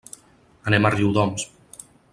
Anem a Riudoms.